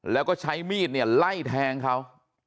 แล้วก็ใช้มีดเนี่ยไล่แทงเขา